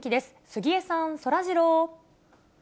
杉江さん、そらジロー。